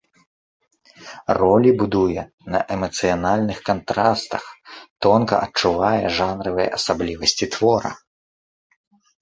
Ролі будуе на эмацыянальных кантрастах, тонка адчувае жанравыя асаблівасці твора.